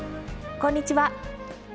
こんにちは。